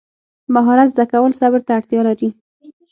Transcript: مهارت زده کول صبر ته اړتیا لري.